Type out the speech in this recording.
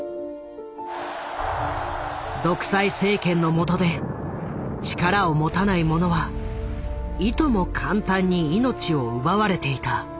独裁政権の下で力を持たない者はいとも簡単に命を奪われていた。